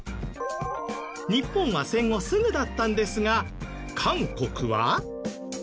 日本は戦後すぐだったんですが韓国は。